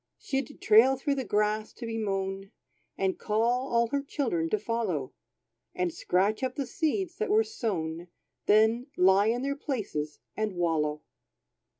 She'd trail through the grass to be mown, And call all her children to follow; And scratch up the seeds that were sown, Then, lie in their places and wallow.